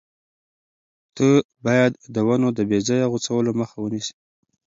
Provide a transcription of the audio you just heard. ته باید د ونو د بې ځایه غوڅولو مخه ونیسې.